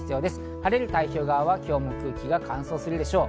晴れる太平洋側は今日も空気が乾燥するでしょう。